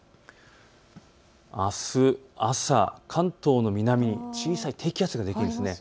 あす朝、関東の南に小さい低気圧ができるんです。